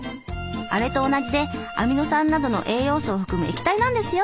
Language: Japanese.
あれと同じでアミノ酸などの栄養素を含む液体なんですよ。